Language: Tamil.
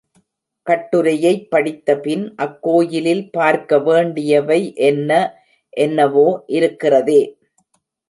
கட்டுரையைப் படித்தபின், அக்கோயிலில் பார்க்க வேண்டியவை என்ன என்னவோ இருக்கிறதே!